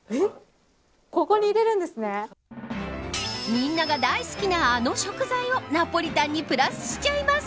みんなが大好きなあの食材をナポリタンにプラスしちゃいます。